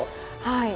はい。